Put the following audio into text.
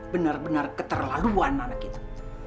benar benar keterlaluan sama gitu